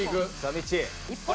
みっちー